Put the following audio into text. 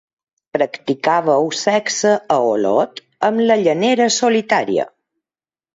Practicàveu sexe a Olot amb la llanera solitària.